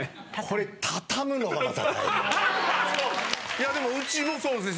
いやでもうちもそうですね。